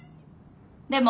でも。